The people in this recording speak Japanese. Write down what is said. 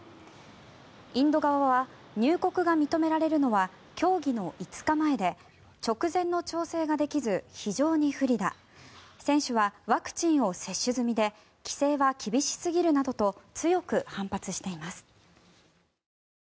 インド側は入国が認められるのは競技の５日前で直前の調整ができず非常に不利だ選手はワクチンを接種済みで規制は厳しすぎると強く反発しています。